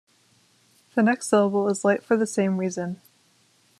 The next syllable is light for the same reason.